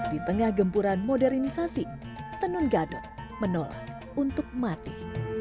di tengah gempuran modernisasi tenun gadot menolak untuk mati